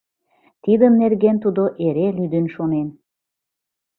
Тидын нерген тудо эре лӱдын шонен.